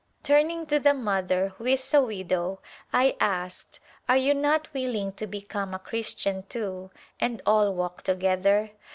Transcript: Turning to the mother, who is a widow, I asked, " Are you not willing to become a Christian, too, and all walk together